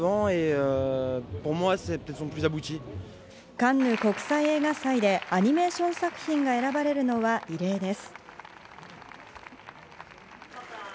カンヌ国際映画祭でアニメーション作品が選ばれるのは異例です。